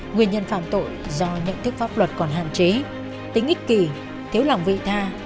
nguyên nhân phạm tội do nhận thức pháp luật còn hạn chế tính ích kỳ thiếu lòng vị tha